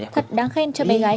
thật đáng khen cho mẹ gái